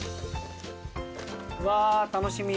うわ楽しみ。